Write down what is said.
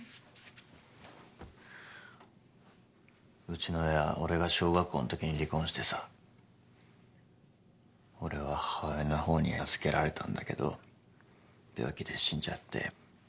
うちの親俺が小学校んときに離婚してさ俺は母親の方に預けられたんだけど病気で死んじゃって。